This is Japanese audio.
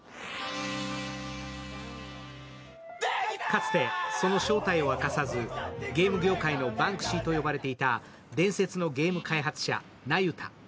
かつて、その正体を明かさずゲーム業界のバンクシーと呼ばれていた伝説のゲーム開発者、那由他。